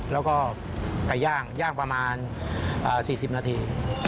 แล้วก็ไก่ย่างย่างประมาณ๔๐นาที